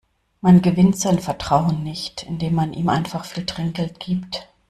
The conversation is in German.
Man gewinnt sein Vertrauen nicht, indem man ihm einfach viel Trinkgeld gibt.